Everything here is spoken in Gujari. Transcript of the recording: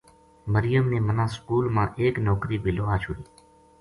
مریم نے مَنا سکول ما ایک نوکری بے لوا چھُڑی